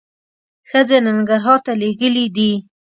ښځې ننګرهار ته لېږلي دي.